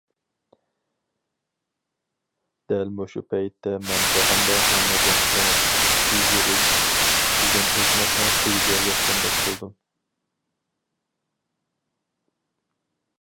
دەل مۇشۇ پەيتتە مەن جاھاندا ھەممىدىن‹‹ كۆڭۈل يۈگۈرۈك›› دېگەن ھېكمەتنىڭ تېگىگە يەتكەندەك بولدۇم.